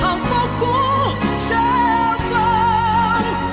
hàng phố cũ trở vấn